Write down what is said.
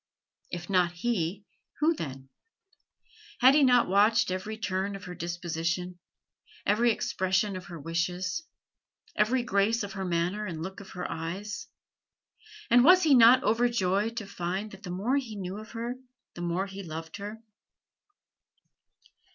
If not he, who then? Had he not watched every turn of her disposition, every expression of her wishes, every grace of her manner and look of her eyes? and was he not overjoyed to find that the more he knew of her the more he loved her?